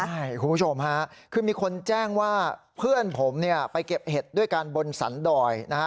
ใช่คุณผู้ชมฮะคือมีคนแจ้งว่าเพื่อนผมเนี่ยไปเก็บเห็ดด้วยกันบนสันดอยนะฮะ